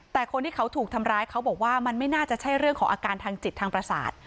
แต่คนที่เขาถูกทำร้ายเขาบอกว่ามันไม่น่าจะใช่เรื่องของอาการทางจิตทางประสาท